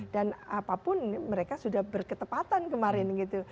dan apapun mereka sudah berketepatan kemarin gitu